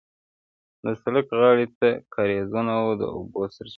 د سړک غاړې ته کارېزونه وو د اوبو سرچینې.